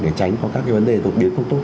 để tránh có các vấn đề đột biến không tốt